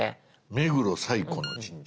目黒最古の神社。